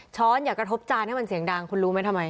อย่ากระทบจานให้มันเสียงดังคุณรู้ไหมทำไม